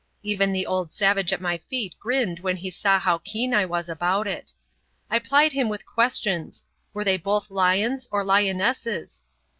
Even the old savage at my feet grinned when he saw how keen I was about it. I plied him with questions were they both lions or lionesses?